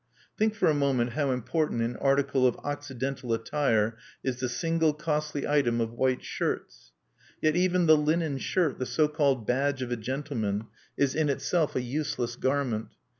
Think for a moment how important an article of Occidental attire is the single costly item of white shirts! Yet even the linen shirt, the so called "badge of a gentleman," is in itself a useless garment.